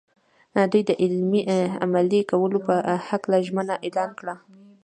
دوی د عملي کولو په هکله ژمنه اعلان کړه.